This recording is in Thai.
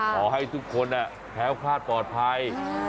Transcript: ขอให้ทุกคนแคล้วคลาดปลอดภัย